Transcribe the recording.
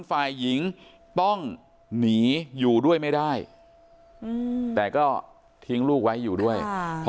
ฝ่ายหญิงต้องหนีอยู่ด้วยไม่ได้แต่ก็ทิ้งลูกไว้อยู่ด้วย